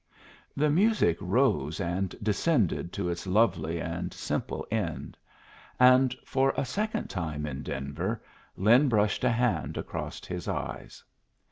The music rose and descended to its lovely and simple end; and, for a second time in Denver, Lin brushed a hand across his eyes.